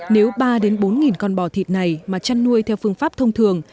nếu ba bốn con bò thịt này mà chăn nuôi theo phương pháp thông thường